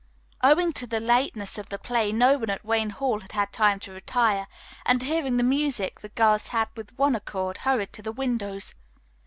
Owing to the lateness of the play no one at Wayne Hall had had time to retire, and, hearing the music, the girls had with one accord hurried to the windows.